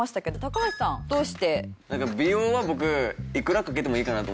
高橋さんどうして？